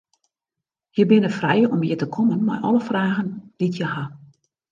Je binne frij om hjir te kommen mei alle fragen dy't je ha.